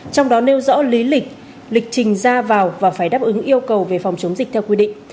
trong đó nêu rõ lý lịch trình ra vào và phải đáp ứng yêu cầu về phòng chống dịch theo quy định